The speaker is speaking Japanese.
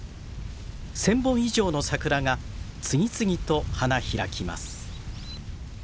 １，０００本以上の桜が次々と花開きます。